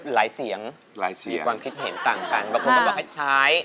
หลายเสียงมีความคิดเห็นต่างกันบางคนบอกว่าใช้